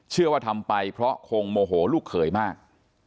เชื่อว่าทำไปเพราะคงโมโหลูกเขยมาก